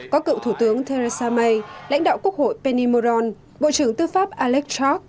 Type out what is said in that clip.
có cựu thủ tướng theresa may lãnh đạo quốc hội penny moran bộ trưởng tư pháp alex chalk